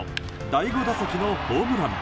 第５打席のホームラン。